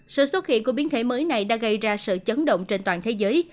sự xuất hiện của biến thể mới này đã gây ra sự chấn động trên toàn thế giới